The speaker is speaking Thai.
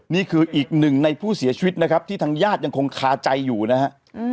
นี่คืออีกหนึ่งในผู้เสียชีวิตนะครับที่ทางญาติยังคงคาใจอยู่นะฮะ